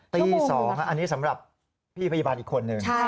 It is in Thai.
ตี๒อันนี้สำหรับพี่พยาบาลอีกคนหนึ่ง